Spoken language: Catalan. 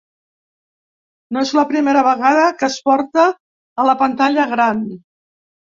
No és la primera vegada que es porta a la pantalla gran.